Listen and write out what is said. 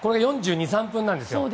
４２、４３分なんですよ。